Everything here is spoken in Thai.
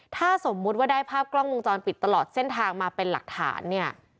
ถ้าสมมุติว่าได้ภาพกล้องวงจรปิดตลอดเส้นทางมาเป็นหลักฐานเนี่ย